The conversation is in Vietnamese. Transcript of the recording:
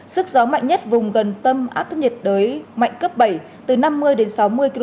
sức gió mạnh nhất vùng gần tâm áp thấp nhiệt đới mạnh cấp bảy từ năm mươi đến sáu mươi km